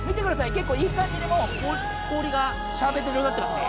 結構いい感じにもう氷がシャーベット状になってますね。